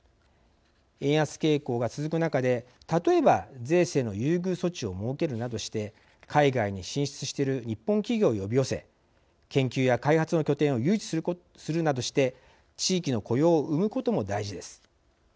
円安傾向が続く中で例えば税制の優遇措置を設けるなどして海外に進出している日本企業を呼び寄せ研究や開発の拠点を誘致するなどして地域の雇用を生むことも大事です。